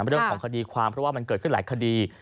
เรื่องของคดีความเพราะว่ามันเกิดขึ้นหลายคดี